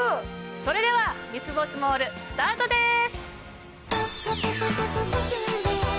それでは『三ツ星モール』スタートです！